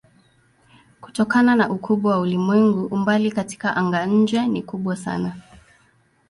Kutokana na ukubwa wa ulimwengu umbali katika anga-nje ni kubwa sana.